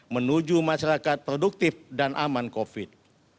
menuju masyarakat produktif dan aman covid sembilan belas